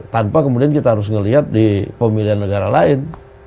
tanpa kemudian kita harus melihat di pemilihan negara lain